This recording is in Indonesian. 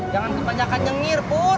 jangan kebanyakan nyengir pur